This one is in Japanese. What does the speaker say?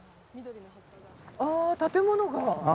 あ建物が。